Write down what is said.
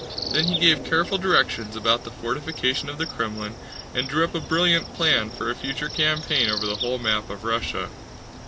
Then he gave careful directions about the fortification of the Krémlin, and drew up a brilliant plan for a future campaign over the whole map of Russia.